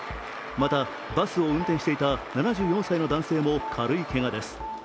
またバスを運転していた７４歳の男性も軽いけがです。